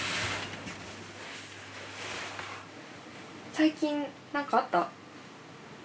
最近何かあった？